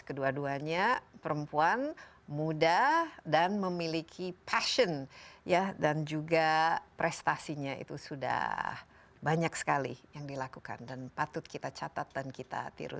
kedua duanya perempuan muda dan memiliki passion dan juga prestasinya itu sudah banyak sekali yang dilakukan dan patut kita catat dan kita tiru